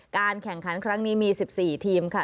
การแข่งขันครั้งนี้มี๑๔ทีมค่ะ